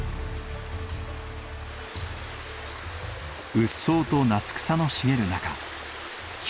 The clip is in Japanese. うっそうと夏草の茂る中清